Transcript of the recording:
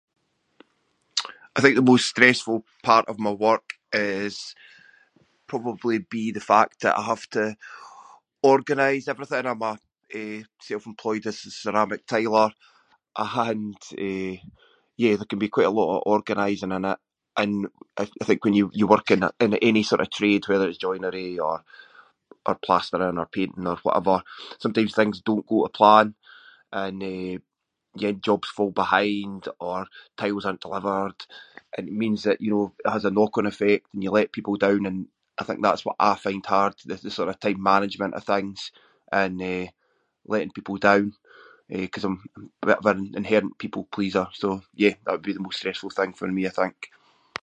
I think the most stressful part of my work is- probably be the fact that I have to organise everything. I’m a, eh, self-employed as a ceramic tiler and, eh, yeah, there can be quite a lot of organising in it and I- I think when y- you work in- in any sort of trade whether it’s joinery or- or plastering or painting or whatever, sometimes things don’t go to plan and, eh, yeah, jobs fall behind or tiles aren’t delivered and it means that, you know, it has a knock-on effect and you let people down and I think that’s what I find hard, the- the sort of time management of things and, eh, letting people down, eh, ‘cause I’m a bit of an inherent people-pleaser so, yeah, that would be the most stressful thing for me I think.